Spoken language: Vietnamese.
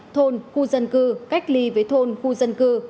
thôn khu dân cư cách ly với thôn khu dân cư